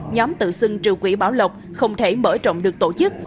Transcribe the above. nhóm tự xưng trưởng quỹ bảo lộc không thể mở rộng được tổ chức